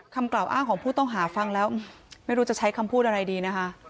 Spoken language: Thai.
คำกล่าวอ้างของผู้ต้องหาฟังแล้วไม่รู้จะใช้คำพูดอะไรดีนะคะ